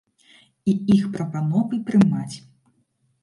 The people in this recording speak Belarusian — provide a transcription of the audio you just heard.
І іх прапановы прымаць.